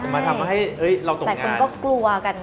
มาทำให้เราตกใจคนก็กลัวกัน